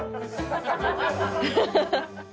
ハハハハ！